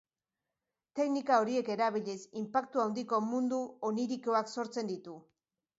Teknika horiek erabiliz, inpaktu handiko mundu onirikoak sortzen ditu.